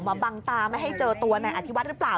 บังตาไม่ให้เจอตัวนายอธิวัฒน์หรือเปล่า